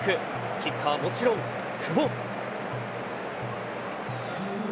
キッカーはもちろん久保。